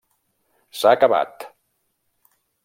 S'ha Acabat!